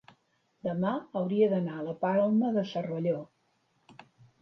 demà hauria d'anar a la Palma de Cervelló.